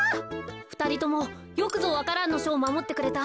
ふたりともよくぞ「わか蘭のしょ」をまもってくれた。